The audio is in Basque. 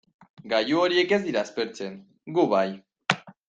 Gailu horiek ez dira aspertzen, gu bai.